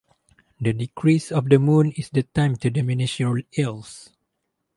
The decrease of the moon is the time to diminish your ills.